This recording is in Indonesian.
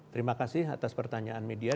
terima kasih atas pertanyaan media